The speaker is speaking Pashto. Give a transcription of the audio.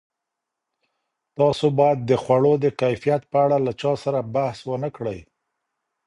تاسو باید د خوړو د کیفیت په اړه له چا سره بحث ونه کړئ.